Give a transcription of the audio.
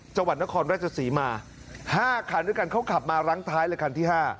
จังหวัดนครราชศรีมา๕คันด้วยกันเขาขับมารั้งท้ายเลยคันที่๕